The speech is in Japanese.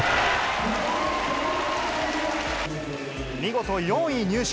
見事４位入賞。